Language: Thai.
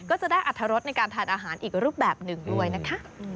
ก็จะได้อรรถรสในการทานอาหารอีกรูปแบบหนึ่งด้วยนะคะ